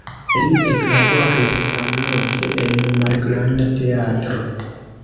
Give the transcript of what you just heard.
Li eklaboris samloke en malgranda teatro.